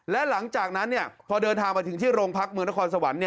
และหลังจากนั้นพอเดินทางมาถึงที่โรงพักเมืองนครสวรรค์